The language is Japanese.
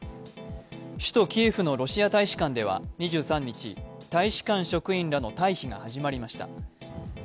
首都キエフのロシア大使館では２３日大使館職員らの退避が始まりました。